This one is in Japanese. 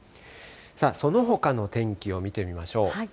そのほかの天気を見てみましょう。